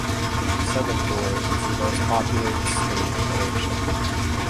Selangor is the most populated state in Malaysia.